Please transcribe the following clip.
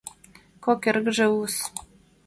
Кок эргыже улыс.